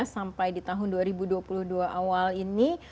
sampai di tahun dua ribu dua puluh dua awal ini